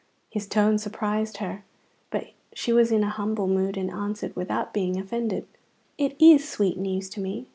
His tone surprised her; but she was in a humble mood, and answered, without being offended: "It is sweet news to me.